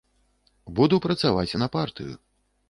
Буду працаваць на партыю.